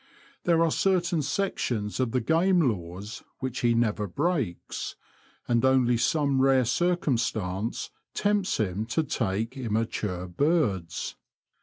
There are certain sections of the Game Laws which he never breaks, and only some rare circumstance tempts him to take immature birds.